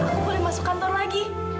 aku boleh masuk kantor lagi